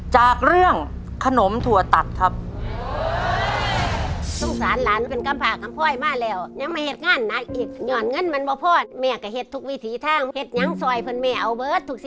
จากเรื่องขนมถั่วตัดครับ